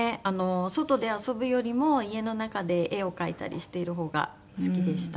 外で遊ぶよりも家の中で絵を描いたりしているほうが好きでした。